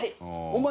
お前。